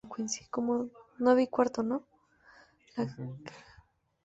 La Guerra Civil Estadounidense trajo un incremento de prosperidad a Quincy.